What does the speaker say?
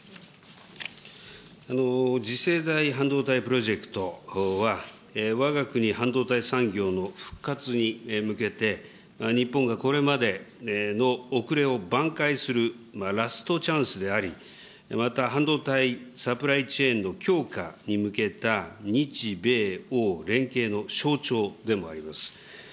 次世代半導体プロジェクトは、わが国半導体産業の復活に向けて、日本がこれまでの後れを挽回するラストチャンスであり、また、半導体サプライチェーンの強化に向けた、日米欧連携の象徴でもあります。